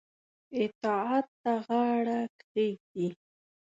اطاعت ته غاړه کښيږدي.